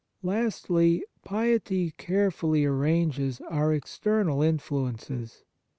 Lastly, piety carefully arranges our external influences.